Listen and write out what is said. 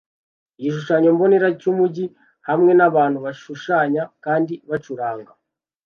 Igishushanyo mbonera cyumujyi hamwe nabantu bashushanya kandi bacuranga